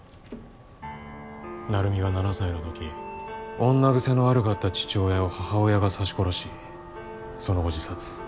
成海が７歳の時女癖の悪かった父親を母親が刺し殺しその後自殺。